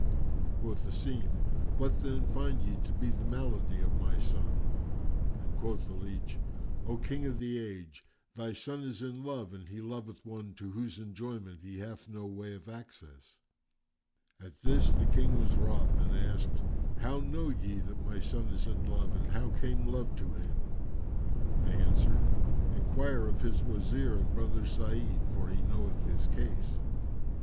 Quoth Asim, "What then find ye to be the malady of my son?"; and quoth the leach, "O King of the Age, thy son is in love and he loveth one to whose enjoyment he hath no way of access." At this the King was wroth and asked, "How know ye that my son is in love and how came love to him?"; they answered, "Enquire of his Wazir and brother Sa'id, for he knoweth his case."